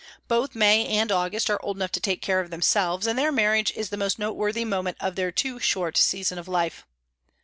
Both May and August are old enough to take care of themselves, and their marriage is the most noteworthy moment of their too short season of life.